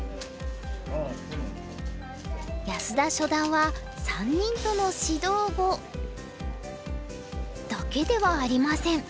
安田初段は３人との指導碁だけではありません。